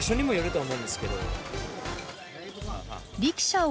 はい。